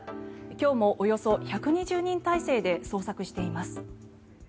今日も、およそ１２０人態勢で捜索しています。